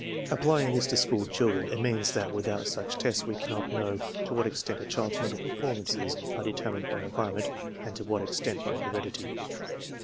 Applying this to school children, it means that without such tests we cannot know to what extent a child's mental performances are determined by environment and to what extent by heredity.